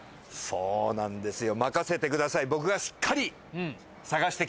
そうなんですよ。